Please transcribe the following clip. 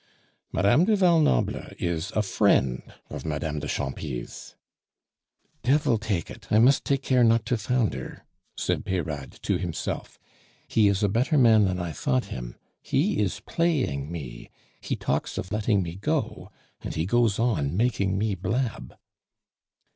Madame du Val Noble is a friend of Madame de Champy's " "Devil take it. I must take care not to founder," said Peyrade to himself. "He is a better man than I thought him. He is playing me; he talks of letting me go, and he goes on making me blab."